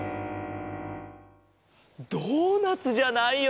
ドーナツじゃないよ。